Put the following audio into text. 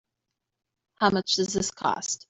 How much does this cost?